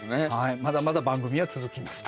まだまだ番組は続きますと。